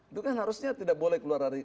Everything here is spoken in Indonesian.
itu kan harusnya tidak boleh keluar dari